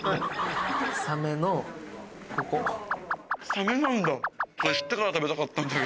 サメなんだ。